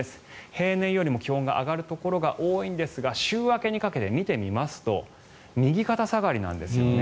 平年よりも気温が上がるところが多いんですが週明けにかけて見てみますと右肩下がりなんですよね。